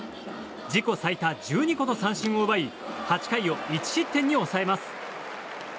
自己最多１２個の三振を奪い８回を１失点に抑えます。